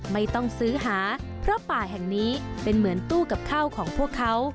ไม่ต้องซื้อหาเพราะป่าแห่งนี้เป็นเหมือนตู้กับข้าวของพวกเขา